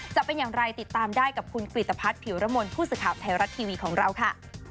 จะเป็นอย่างไรติดตามได้กับคุณกริตภัทรผิวรมนต์ผู้สื่อข่าวไทยรัฐทีวีของเราค่ะ